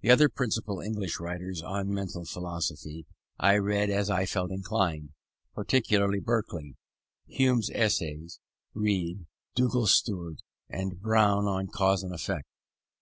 The other principal English writers on mental philosophy I read as I felt inclined, particularly Berkeley, Hume's Essays, Reid, Dugald Stewart and Brown on Cause and Effect.